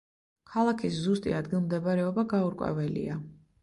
ქალაქის ზუსტი ადგილმდებარეობა გაურკვეველია.